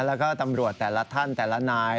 แล้วก็ตำรวจแต่ละท่านแต่ละนาย